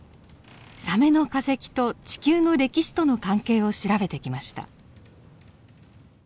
サメの化石と地球の歴史との関係を調べてきました。